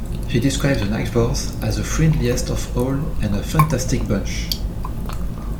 He described the neighbours as the friendliest of all and a fantastic bunch.